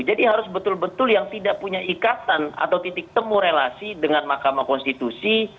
jadi harus betul betul yang tidak punya ikatan atau titik temu relasi dengan makam konstitusi